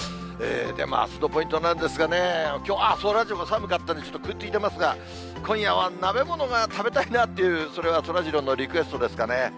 あすのポイントなんですがね、そらジローも寒かったね、ちょっと食いついてますが、今夜は鍋物が食べたいなっていう、それはそらジローのリクエストですかね。